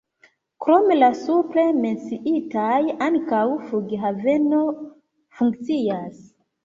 Krom la supre menciitaj ankaŭ flughaveno funkcias.